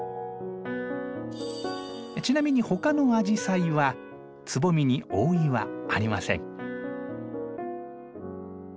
ちなみにほかのアジサイはつぼみに覆いはありません。